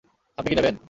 আপনি কী নেবেন?